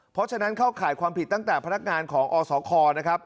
เพราะฉะนั้นเข้าข่ายความผิดตั้งแต่พนักงานของอสคนะครับ